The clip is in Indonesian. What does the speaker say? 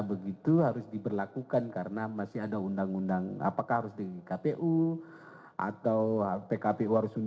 begitu harus diberlakukan karena masih ada undang undang apakah harus di kpu atau pkpu harus